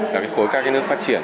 là cái khối các nước phát triển